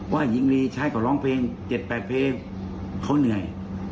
หญิงลีใช้ก็ร้องเพลง๗๘เพลงเขาเหนื่อย